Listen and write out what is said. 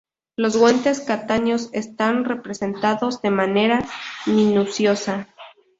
Los guantes castaños están representados de manera minuciosa.